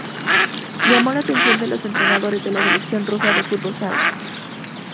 Llamó la atención de los entrenadores de la Selección Rusa de fútbol sala.